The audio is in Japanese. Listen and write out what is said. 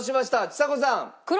ちさ子さん。